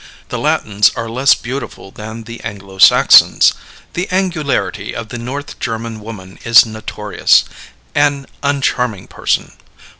The Latins are less beautiful than the Anglo Saxons. The angularity of the North German woman is notorious; an uncharming person.